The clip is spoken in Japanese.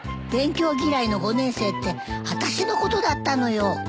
「勉強嫌いの５年生」ってあたしのことだったのよ。